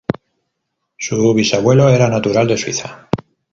Su bisabuelo era natural de Suiza.